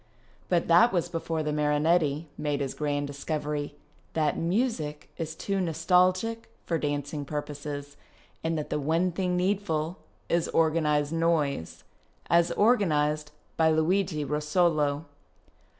But that was before the Marinetti made his grand discovery that music is too nostalgic for dancing purposes and that the one thing needful is organized noise — as organized by Luigi Russolo.